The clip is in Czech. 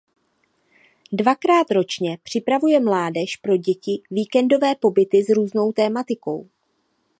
Dvakrát ročně připravuje mládež pro děti víkendové pobyty s různou tematikou.